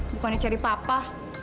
bukannya cari papa